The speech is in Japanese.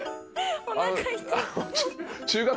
おなか痛い。